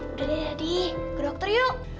udah deh daddy ke dokter yuk